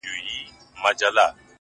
ټولو انجونو تې ويل گودر كي هغي انجــلـۍ،